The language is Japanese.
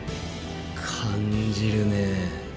感じるね。